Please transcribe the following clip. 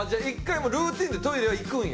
もうルーティンでトイレは行くんや。